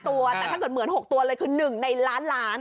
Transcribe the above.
แต่ถ้าถึงเหมือน๖ตัวเลยคือ๑ในล้าน